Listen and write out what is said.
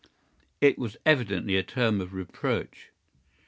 It was evidently a term of reproach."